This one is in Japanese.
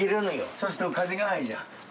そうすると風が入るんだ。